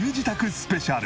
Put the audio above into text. スペシャル。